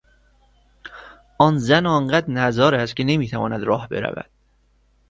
آن زن آنقدر نزار است که نمیتواند راه برود.